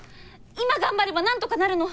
今頑張ればなんとかなるの！